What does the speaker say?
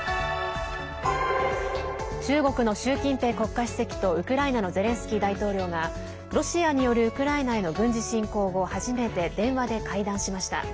中国の習近平国家主席とウクライナのゼレンスキー大統領がロシアによるウクライナへの軍事侵攻後、初めて電話で会談しました。